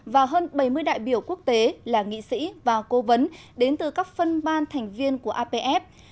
và hơn bảy mươi đại biểu quốc tế là nghị sĩ và cố vấn đến từ các phân ban thành viên của apf